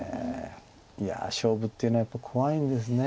いや勝負っていうのはやっぱり怖いんですね。